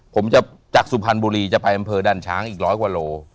ผมจะจากสุพรรณบุรีจะไปอำเภอดันช้างอีกร้อยกว่าโล